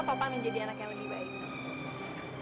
sopan menjadi anak yang lebih baik